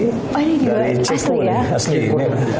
oh ini juga asli ya